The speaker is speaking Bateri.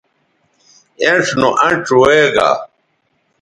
اِنڇ نو اَنڇ وے گا